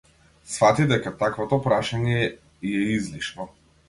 Сфати дека таквото прашање ѝ е излишно.